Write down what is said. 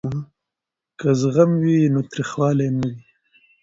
که زغم وي نو تریخوالی نه وي.